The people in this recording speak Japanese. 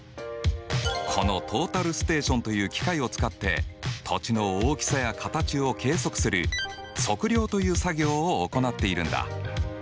このトータルステーションという機械を使って土地の大きさや形を計測する「測量」という作業を行っているんだ。